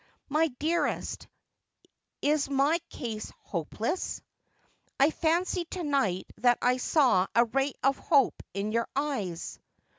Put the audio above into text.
My dearest, is my case hopeless ] I fancied to night that I saw a ray of hope in your eyes.'